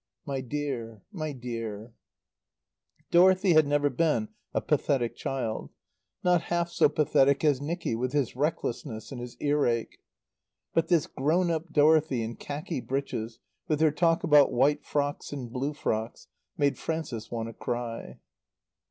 "My dear my dear " Dorothy had never been a pathetic child not half so pathetic as Nicky with his recklessness and his earache but this grown up Dorothy in khaki breeches, with her talk about white frocks and blue frocks, made Frances want to cry.